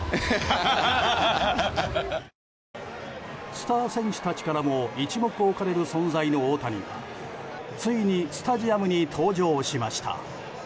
スター選手たちからも一目置かれる存在の大谷がついにスタジアムに登場しました。